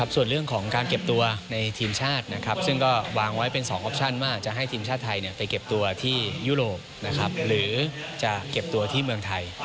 ส่วนเรื่องของการเก็บตัวในทีมชาติซึ่งก็วางไว้เป็น๒ออปชั่นว่าจะให้ทีมชาติไทยไปเก็บตัวที่ยุโรปหรือจะเก็บตัวที่เมืองไทย